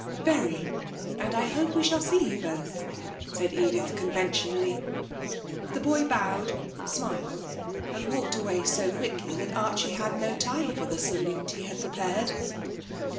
'Very. And I hope we shall see you both,' said Edith conventionally. The boy bowed, smiled and walked away so quickly that Archie had no time for the salute he had prepared.